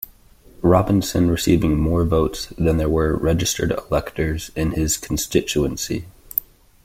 Robinson receiving more votes than there were registered electors in his constituency.